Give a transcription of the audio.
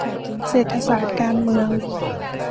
เศรษฐศาสตร์การเมือง